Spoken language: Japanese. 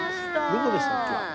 どこでしたっけ？